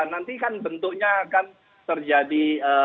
nanti kan bentuknya akan terjadi